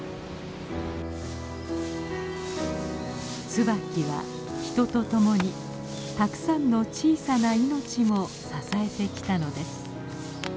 ツバキは人と共にたくさんの小さな命も支えてきたのです。